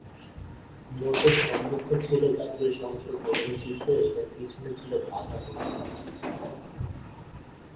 নোটের সম্মুখে ছিল জাতীয় সংসদ ভবনের চিত্র এবং পিছনে ছিল বাঘা মসজিদের চিত্র।